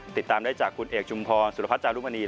ติดตามได้จากคุณเอกชุมพรสุรพัฒนจารุมณี